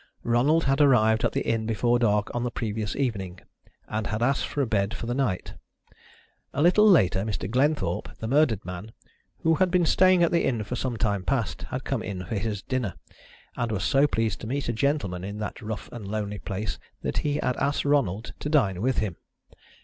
Ronald had arrived at the inn before dark on the previous evening, and had asked for a bed for the night. A little later Mr. Glenthorpe, the murdered man, who had been staying at the inn for some time past, had come in for his dinner, and was so pleased to meet a gentleman in that rough and lonely place that he had asked Ronald to dine with him.